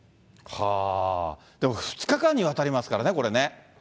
でも２日間にわたりますからね、これね。